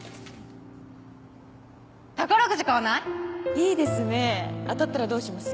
いい当たったらどうします？